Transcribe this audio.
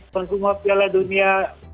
pengguna piala dunia